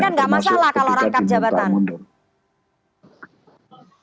presiden kan gak masalah kalau rangkap jabatan